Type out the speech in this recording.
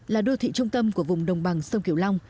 là đô thị trung tâm của vùng đồng bằng sông kiều long